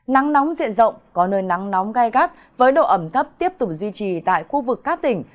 nắng nóng diện rộng có nơi nắng nóng gai gắt với độ ẩm thấp tiếp tục duy trì tại khu vực các tỉnh